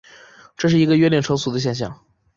这是一个约定俗成的现像。